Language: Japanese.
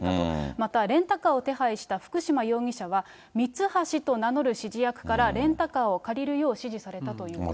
また、レンタカーを手配した福島容疑者は、ミツハシと名乗る指示役から、レンタカーを借りるよう指示されたということです。